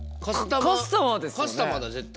カスタマーだ絶対。